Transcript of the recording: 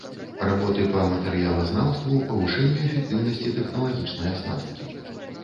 Работы па матэрыялазнаўству, павышэнню эфектыўнасці тэхналагічнай аснасткі.